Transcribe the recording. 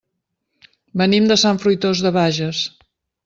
Venim de Sant Fruitós de Bages.